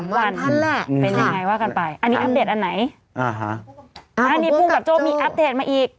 ๓วันเป็นยังไงว่ากันไปอันนี้อัพเดทอันไหนอันนี้ภูมิกับโจ้มีอัพเดทมาอีก